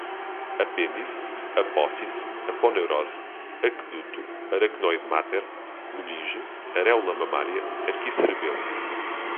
apêndice, apófise, aponeurose, aqueduto, aracnoide-máter, meninge, aréola mamária, arquicerebelo